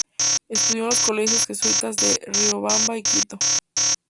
Estudió en los colegios jesuitas de Riobamba y Quito.